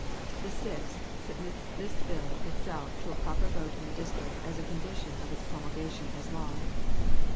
The sixth submits this bill itself to a popular vote in the District as a condition of its promulgation as law.